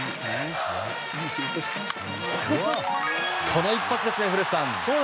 この一発ですね、古田さん。